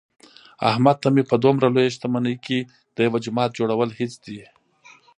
احمد ته په دمره لویه شتمنۍ کې د یوه جومات جوړل هېڅ دي.